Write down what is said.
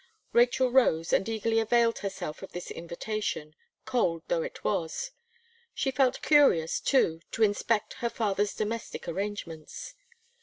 Rachel rose and eagerly availed herself of this invitation, cold though it was; she felt curious too, to inspect, her father's domestic arrangements.